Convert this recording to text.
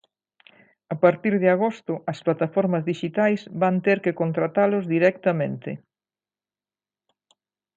A partir de agosto, as plataformas dixitais van ter que contratalos directamente.